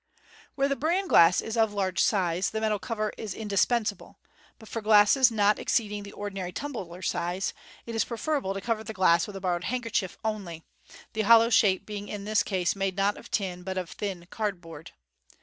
Where the bran glass is of large size, the metal cover is indis pensable 5 but for glasses not exceeding the ordinary tumbler size, it is preferable to cover the glass with a borrowed handkerchief only, the hollow shape being in this case made, not of tin, but of thin cardboard.